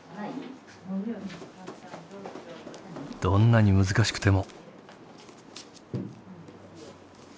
どんなに難しくても。